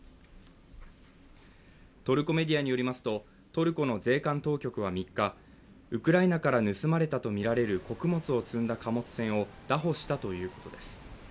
トルコメディアによりますとトルコの税関当局は３日、ウクライナから盗まれたとみられる穀物を積んだ貨物船を拿捕したということです。